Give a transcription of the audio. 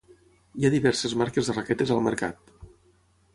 Hi ha diverses marques de raquetes al mercat.